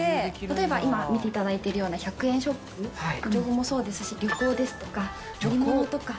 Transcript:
例えば今見ていただいてるような１００円ショップの情報もそうですし。